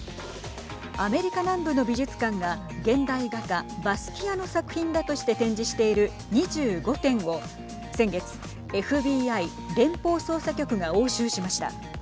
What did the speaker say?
アメリカ南部の美術館が現代画家バスキアの作品だとして展示している２５点を先月、ＦＢＩ＝連邦捜査局が押収しました。